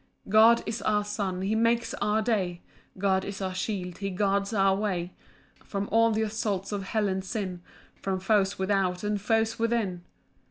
3 God is our sun, he makes our day; God is our shield, he guards our way From all th' assaults of hell and sin, From foes without, and foes within.